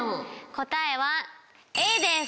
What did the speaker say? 答えはＡです。